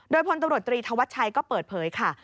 โดยพลตำรวจตรีธวัชชัยก็เปิดเผยค่ะ